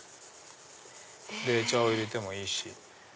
冷茶を入れてもいいし。